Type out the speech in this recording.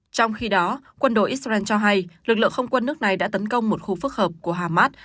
trong khi đó quân đội israel cho hay lực lượng không quân nước này đã tấn công một khu phức hợp của hamas